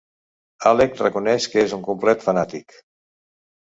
Alec reconeix que és un complet fanàtic.